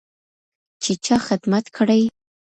چې چا خدمت کړی.